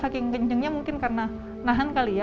saking kencengnya mungkin karena nahan kali ya